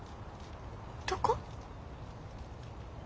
どこ？